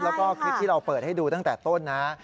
แล้วก็คลิปที่เราเปิดให้ดูตั้งแต่ต้นนะ